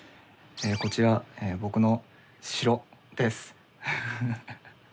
こちら僕の城です！ハハハ。